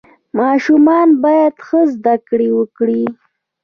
ماشومان باید ښه زده کړه وکړي.